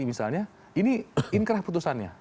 misalnya ini inkrah putusannya